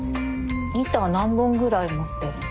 ギター何本ぐらい持ってるの？